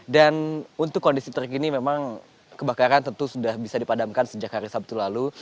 dan untuk kondisi terkini memang kebakaran tentu sudah bisa dipadamkan sejak hari sabtu lalu